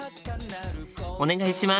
お願いします！